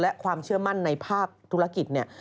และความเชื่อมั่นในภาคธุรกิจเนี่ย